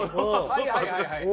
はいはいはいはい。